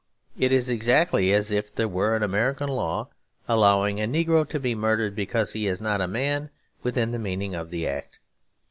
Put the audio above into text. It is exactly as if there were an American law allowing a negro to be murdered because he is not a man within the meaning of the Act.